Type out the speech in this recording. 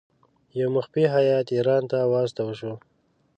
یو مخفي هیات ایران ته واستاوه شو.